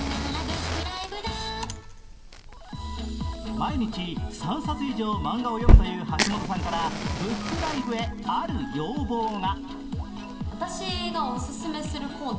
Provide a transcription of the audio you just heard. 毎日３冊以上漫画を読むという橋本さんからブックライブへある要望が。